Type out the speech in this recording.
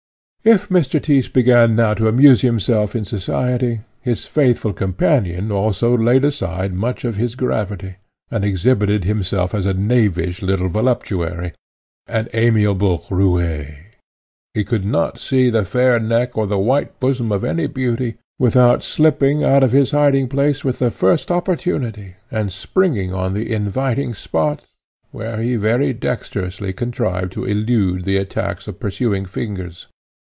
If Mr. Tyss began now to amuse himself in society, his faithful companion also laid aside much of his gravity, and exhibited himself as a knavish little voluptuary, an amiable roué. He could not see the fair neck or the white bosom of any beauty, without slipping out of his hiding place with the first opportunity, and springing on the inviting spot, where he very dexterously contrived to elude the attacks of pursuing fingers.